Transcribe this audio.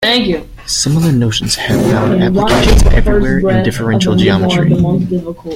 Similar notions have found applications everywhere in differential geometry.